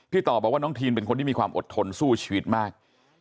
มีคนที่มีความอดทนสู้ชีวิตมาก